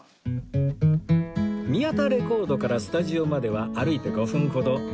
宮田レコードからスタジオまでは歩いて５分ほど